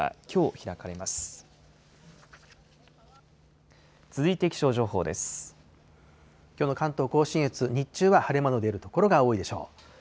きょうの関東甲信越、日中は晴れ間の出る所が多いでしょう。